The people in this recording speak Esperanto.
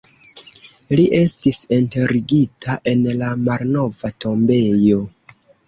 Li estis enterigita en la malnova tombejo.